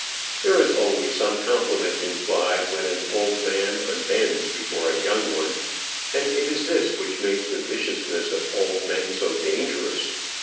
There is always some compliment implied when an old man unbends before a young one, and it is this which makes the viciousness of old men so dangerous.